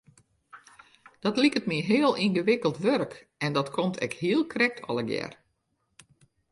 Dat liket my heel yngewikkeld wurk en dat komt ek hiel krekt allegear.